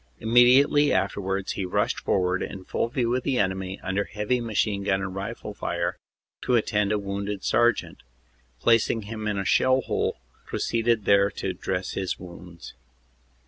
Immedi ately afterwards he rushed forward, in full view of the enemy, under heavy machine gun and rifle fire, to attend a wounded sergeant, and placing him in a shell hole proceeded there to dress his wounds.